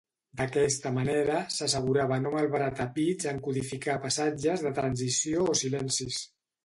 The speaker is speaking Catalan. D'aquesta manera, s'assegura no malbaratar bits en codificar passatges de transició o silencis.